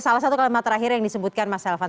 salah satu kalimat terakhir yang disebutkan mas elvan